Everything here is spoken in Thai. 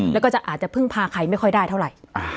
แล้วก็อาจจะพึ่งพาใครไม่ค่อยได้เท่าไหร่